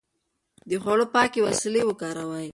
د خوړو پاکې وسيلې وکاروئ.